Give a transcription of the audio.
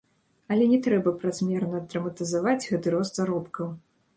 Але не трэба празмерна драматызаваць гэты рост заробкаў.